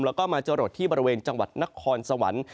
แล้วก็มาจรดที่บริเวณจังหวัดนครสวรรค์